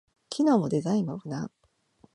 機能もデザインも無難